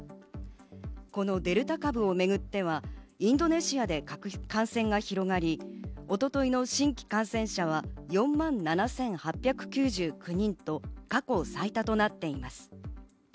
このデルタ株をめぐってはインドネシアで感染が広がり、一昨日の新規感染者は４万７８９９人と、過去最多となっています。